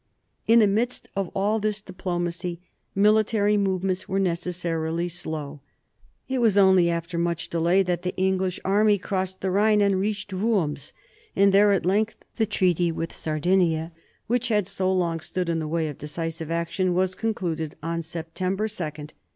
In the midst of all this diplomacy military movements were necessarily slow. It was only after much delay that the English army crossed the Ehine and reached Worms, and there at length the treaty with Sardinia, which had so long stood in the way of decisive action, was concluded on September 2, 1743.